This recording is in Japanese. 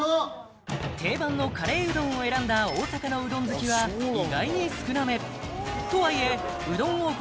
定番のカレーうどんを選んだ大阪のうどん好きは意外に少なめとはいえうどん王国